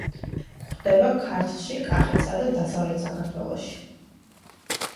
გვხვდება ქართლში, კახეთსა და დასავლეთ საქართველოში.